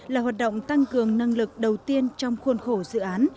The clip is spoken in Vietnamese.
là hoạt động tăng cường năng lực đầu tiên trong khuôn khổ dự án